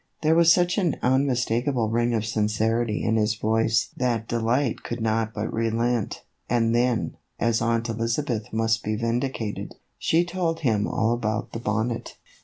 There was such an unmis takable ring of sincerity in his voice that Delight could not but relent, and then, as Aunt Elizabeth must be vindicated, she told him all about the bonnet.